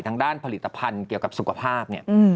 ทางด้านผลิตภัณฑ์เกี่ยวกับสุขภาพเนี่ย